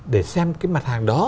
để xem cái mặt hàng đó